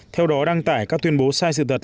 theo đó đăng tải các tuyên bố sai sự thật